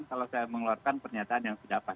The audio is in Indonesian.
kalau saya mengeluarkan pernyataan yang tidak pas